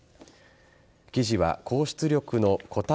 記事は高出力の固体